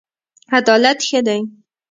عدالت ښه دی.